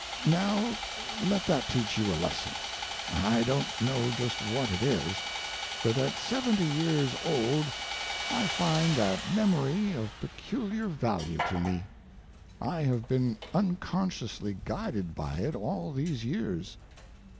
Now, let that teach you a lesson—I don't know just what it is. But at seventy years old I find that memory of peculiar value to me. I have been unconsciously guided by it all these years.